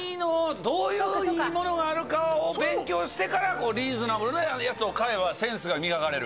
どういういいものがあるかを勉強してからリーズナブルなやつを買えばセンスが磨かれる。